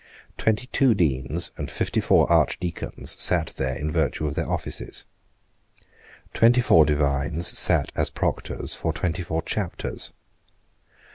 Twenty two Deans and fifty four Archdeacons sate there in virtue of their offices. Twenty four divines sate as proctors for twenty four chapters.